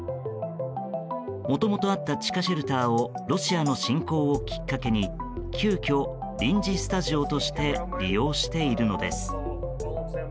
もともとあった地下シェルターをロシアの侵攻をきっかけに急きょ、臨時スタジオとして利用しているのです。